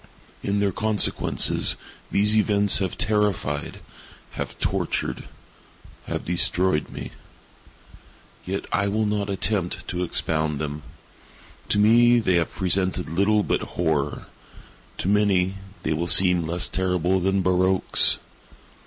In their consequences, these events have terrified—have tortured—have destroyed me. Yet I will not attempt to expound them. To me, they have presented little but horror—to many they will seem less terrible than barroques.